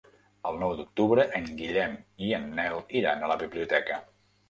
El nou d'octubre en Guillem i en Nel iran a la biblioteca.